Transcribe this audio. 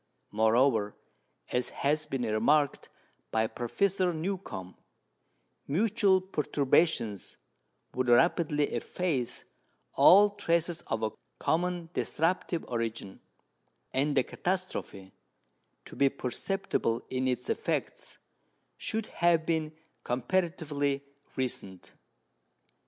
Moreover, as has been remarked by Professor Newcomb, mutual perturbations would rapidly efface all traces of a common disruptive origin, and the catastrophe, to be perceptible in its effects, should have been comparatively recent.